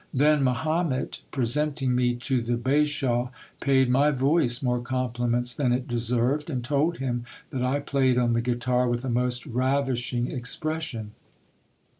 Then Mahomet, pre senting me to the bashaw, paid my voice more compliments than it deserved, and told him that I played on the guitar with a most ravishing expression.